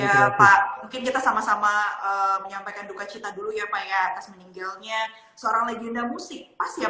seorang legenda musik pas ya pak kalau kita menyebutnya sebagai seorang legenda musik